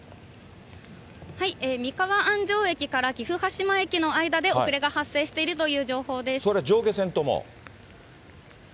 三河安城駅から岐阜羽島駅の間で、遅れが発生しているというそれ、上下線とも？